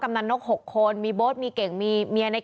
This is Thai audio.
กำลังนก๖คนมีโบ๊ทมีเก่งมีเมียใน